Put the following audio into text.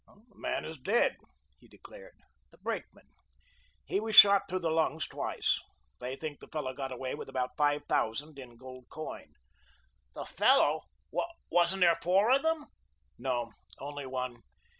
"The man is dead," he declared, "the brakeman. He was shot through the lungs twice. They think the fellow got away with about five thousand in gold coin." "The fellow? Wasn't there four of them?" "No; only one.